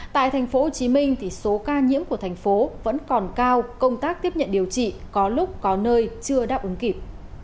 tại tp hcm số ca nhiễm của thành phố vẫn còn cao công tác tiếp nhận điều trị có lúc có nơi chưa đáp ứng kịp